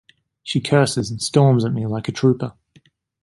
She curses and storms at me like a trooper.